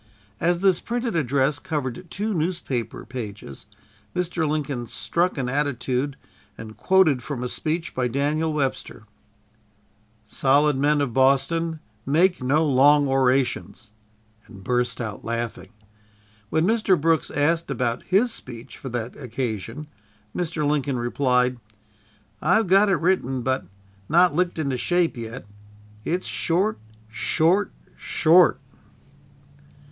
As this printed address covered two newspaper pages, Mr. Lincoln struck an attitude and quoted from a speech by Daniel Webster: "Solid men of Boston, make no long orations!" and burst out laughing. When Mr. Brooks asked about his speech for that occasion, Mr. Lincoln replied: "I've got it written, but not licked into shape yet. It's short, short, SHORT!"